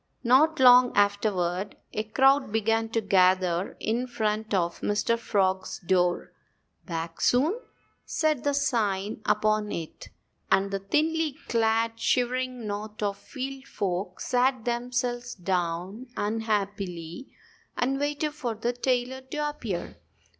Not long afterward a crowd began to gather in front of Mr. Frog's door. "Back Soon" said the sign upon it. And the thinly clad, shivering knot of field folk sat themselves down unhappily and waited for the tailor to appear.